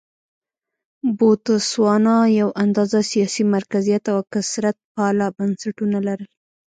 بوتسوانا یو اندازه سیاسي مرکزیت او کثرت پاله بنسټونه لرل.